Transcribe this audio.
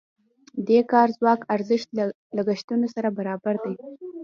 د کاري ځواک ارزښت له لګښتونو سره برابر دی.